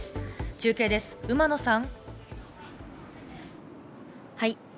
中継です、馬野さん。